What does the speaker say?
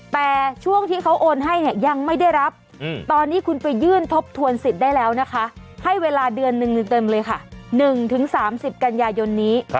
แต่ช่วงที่เขาโอนให้เนี่ยยังไม่ได้รับตอนนี้คุณไปยื่นทบทวนสิทธิ์ได้แล้วนะคะให้เวลาเดือนหนึ่งเต็มเลยค่ะ๑๓๐กันยายนนี้